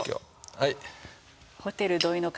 はい。